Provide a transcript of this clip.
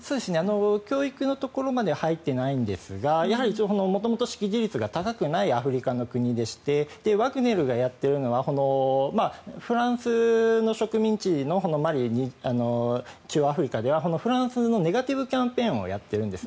教育のところまでは入っていないんですが元々、識字率が高くないアフリカの国でしてワグネルがやっているのはフランスの植民地のマリ中央アフリカではフランスのネガティブキャンペーンをやっているんです。